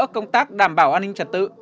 các công tác đảm bảo an ninh trật tự